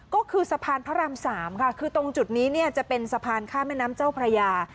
ก็คือสะพานพระราม๓ค่ะคือตรงจุดนี้เนี่ยจะเป็นสะพานข้ามแม่น้ำเจ้าพระยา